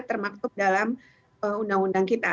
termaksud dalam undang undang kita